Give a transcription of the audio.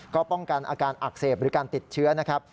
ก็ป้องกันอาการอักเสบหรือการติดเชื้อนะครับ